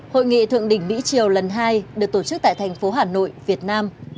hội nghị thượng đỉnh mỹ triều lần hai được tổ chức tại thành phố hà nội việt nam